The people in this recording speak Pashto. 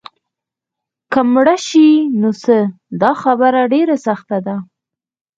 که مړه شي نو څه؟ دا خبره ډېره سخته ده.